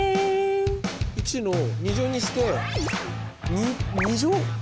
１の２乗にして２乗？